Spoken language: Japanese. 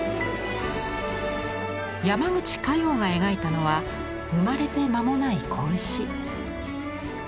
山口華楊が描いたのは生まれて間もない子牛。